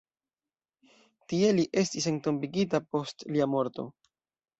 Tie li estis entombigita post lia morto.